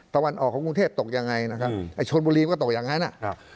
ตะวันออกของกรุงเทพตกยังไงนะฮะอืมไอ้ชนบุรีก็ตกยังไงน่ะอ่า